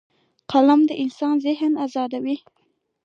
قلم د انسان ذهن ازادوي